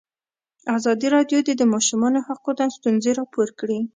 ازادي راډیو د د ماشومانو حقونه ستونزې راپور کړي.